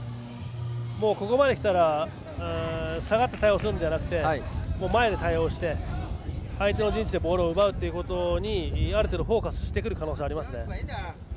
ここまできたら下がって対応するのではなくて前で対応して相手の陣地でボールを奪うことにある程度フォーカスしてくる可能性がありますね。